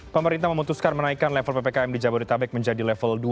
pemerintah memutuskan menaikkan level ppkm di jabodetabek menjadi level dua